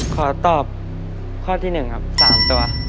ขอตอบข้อที่๑ครับ๓ตัว